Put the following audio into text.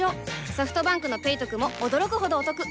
ソフトバンクの「ペイトク」も驚くほどおトク